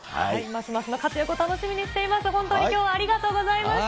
ますますの活躍を楽しみにしています。